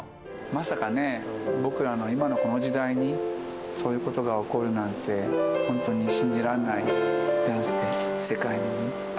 まさかね、僕らの今のこの時代に、そういうことが起こるなんて、本当に信じられない。